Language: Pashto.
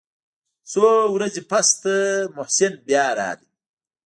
څو ورځې پس ته محسن بيا راغى.